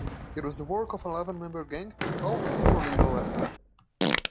It was the work of an eleven-member gang, all of whom were later arrested.